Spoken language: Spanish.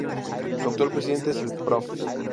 Su actual presidente es el Prof.